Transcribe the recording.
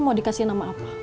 mau dikasih nama apa